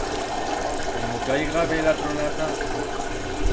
Como caiga bela tronata...